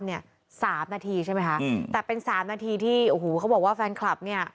๓นาทีใช่ไหมคะแต่เป็น๓นาทีที่เขาบอกว่าแฟนคลับเนี่ย